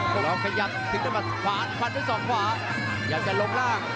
แล้วขยับถึงตำรวจขวาพันธุ์สองขวาอยากจะลงร่าง